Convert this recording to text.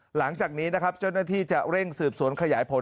หลังจากนี้นะครับเจ้าหน้าที่จะเร่งสืบสวนขยายผล